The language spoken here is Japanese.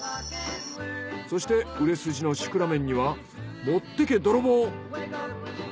そして売れ筋のシクラメンには「もってけドロボー」。